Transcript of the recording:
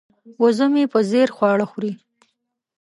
وزه مې په ځیر خواړه خوري.